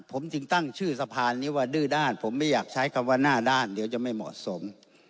ผมจึงตั้งชื่อสะพานนี้ว่าดื้อด้านผมไม่อยากใช้คำว่าหน้าด้านเดี๋ยวจะไม่เหมาะสม